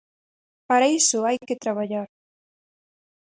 Para iso hai que traballar.